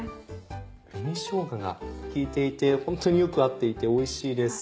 紅しょうがが効いていてホントによく合っていておいしいです。